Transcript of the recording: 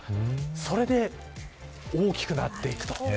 それで大きくなっていくと。